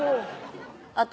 あと